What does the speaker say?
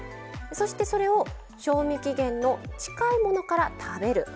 そして、それを賞味期限の近いものから食べる。